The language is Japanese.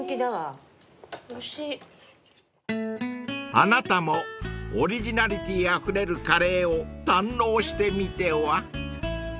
［あなたもオリジナリティーあふれるカレーを堪能してみては？］